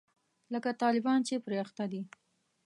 لکه طالبان چې پرې اخته دي.